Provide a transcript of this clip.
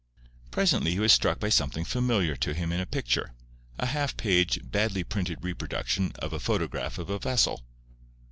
Presently he was struck by something familiar to him in a picture—a half page, badly printed reproduction of a photograph of a vessel.